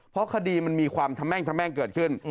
เพราะคดีมันมีความทะแม่งทะแม่งเกิดขึ้น